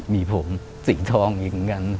มีผงสีทองอีกเหมือนกัน